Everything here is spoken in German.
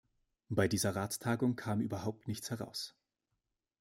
Bei dieser Ratstagung kam überhaupt nichts heraus.